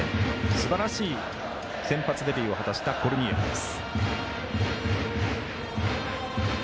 すばらしい先発デビューを果たしたコルニエルです。